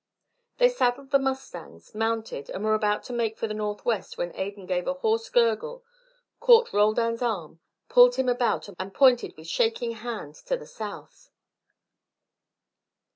They saddled the mustangs, mounted, and were about to make for the northwest when Adan gave a hoarse gurgle, caught Roldan's arm, pulled him about, and pointed with shaking hand to the south.